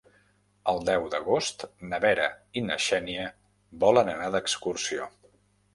El deu d'agost na Vera i na Xènia volen anar d'excursió.